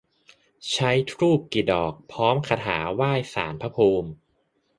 ใช้ธูปกี่ดอก พร้อมคาถาไหว้ศาลพระภูมิ